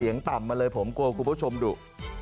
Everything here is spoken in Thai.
ต่ำมาเลยผมกลัวคุณผู้ชมดุ